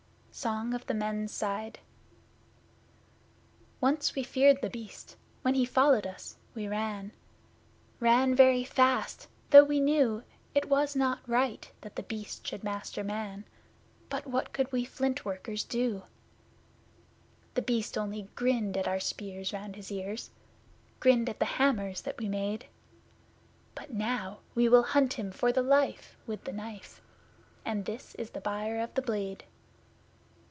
Song of the Men's Side Once we feared The Beast when he followed us we ran, Ran very fast though we knew It was not right that The Beast should master Man; But what could we Flint workers do? The Beast only grinned at our spears round his ears Grinned at the hammers that we made; But now we will hunt him for the life with the Knife And this is the Buyer of the Blade!